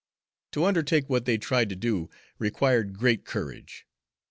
To undertake what they tried to do required great courage.